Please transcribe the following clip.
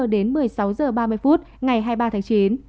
đến một mươi sáu h ba mươi phút ngày hai mươi ba tháng chín